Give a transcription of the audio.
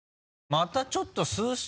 またちょっと数式